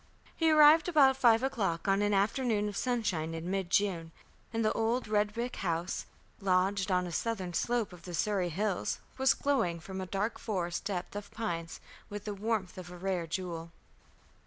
He arrived about five o'clock on an afternoon of sunshine in mid June, and the old red brick house, lodged on a southern slope of the Surrey hills, was glowing from a dark forest depth of pines with the warmth of a rare jewel.